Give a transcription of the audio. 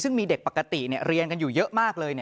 ซึ่งมีเด็กปกติเรียนกันอยู่เยอะมากเลย